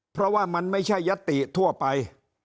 เพราะว่ามันไม่ใช่ยัตติทั่วไป